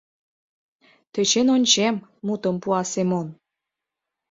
— Тӧчен ончем! — мутым пуа Семон.